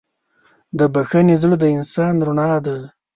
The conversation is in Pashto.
د بښنې زړه د انسان رڼا ده.